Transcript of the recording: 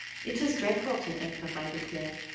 It is dreadful to think of, I declare.